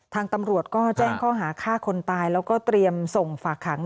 ทางตำรวจก็แจ้งข้อหาฆ่าคนตายแล้วก็เตรียมส่งฝากขัง